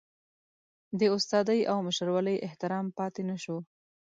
د استادۍ او مشرولۍ احترام پاتې نشو.